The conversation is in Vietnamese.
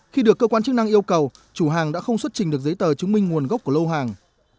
khi được cơ quan chức năng yêu cầu chủ hàng đã không xuất trình được giấy tờ chứng minh nguồn gốc của lô hàng